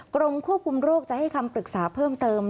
กรมควบคุมโรคจะให้คำปรึกษาเพิ่มเติม